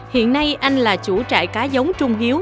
hiện nay anh là chủ trại cá giống trung hiếu